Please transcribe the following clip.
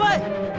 lo sudah nunggu